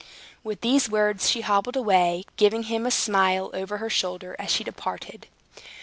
With these words, she hobbled away, giving him a smile over her shoulder as she departed.